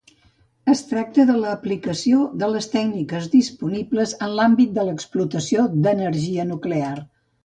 Es tracta de l'aplicació de les tècniques disponibles en l'àmbit de l'explotació d'energia nuclear.